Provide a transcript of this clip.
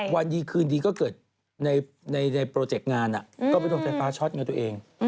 วันยีคืนดีก็เกิดในโปรเจกต์งานอะก็ไปต้องไฟฟ้าช็อตเนี่ยตัวเอง